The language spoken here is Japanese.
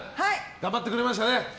頑張ってくれました！